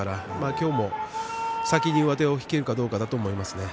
今日も先に上手を引けるかどうかだと思いますね。